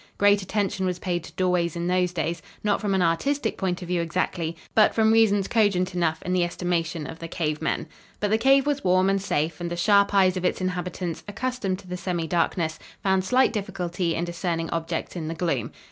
Great attention was paid to doorways in those days, not from an artistic point of view exactly, but from reasons cogent enough in the estimation of the cave men. But the cave was warm and safe and the sharp eyes of its inhabitants, accustomed to the semi darkness, found slight difficulty in discerning objects in the gloom.